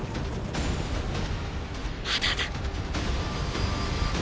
まだだ。